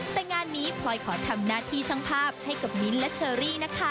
แต่งานนี้พลอยขอทำหน้าที่ช่างภาพให้กับมิ้นท์และเชอรี่นะคะ